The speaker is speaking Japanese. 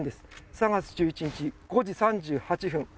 ３月１１日５時３８分